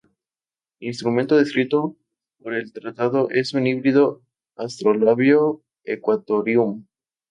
El instrumento descrito por en el tratado es un híbrido astrolabio-equatorium.